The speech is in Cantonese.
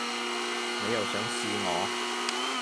你又想試我